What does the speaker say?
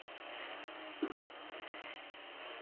霍蓝斯的妻子为阿卡贝拉团体创始人。